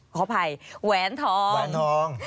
ขออภัยแหวนทอง